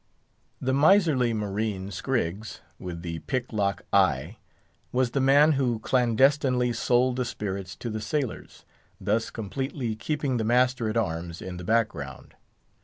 The miserly marine, Scriggs, with the pick lock eye, was the man who clandestinely sold the spirits to the sailors, thus completely keeping the master at arms in the background.